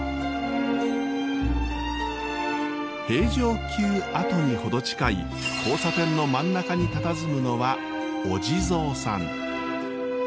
平城宮跡に程近い交差点の真ん中にたたずむのはお地蔵さん。